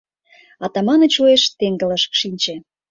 Атаманыч уэш теҥгылыш шинче.